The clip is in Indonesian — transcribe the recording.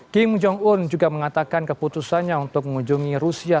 kim jong un juga mengatakan keputusannya untuk mengunjungi rusia